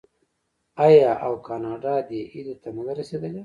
آیا او کاناډا دې هیلې ته نه ده رسیدلې؟